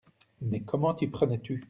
Mais comment t’y prenais-tu ?